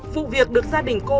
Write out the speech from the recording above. vụ việc được gia đình cô